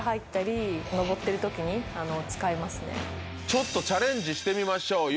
ちょっとチャレンジしてみましょう。